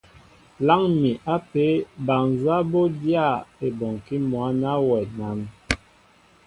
Láŋ mi apē bal nzá bɔ́ dyáá ebɔnkí mwǎ ná wɛ nán?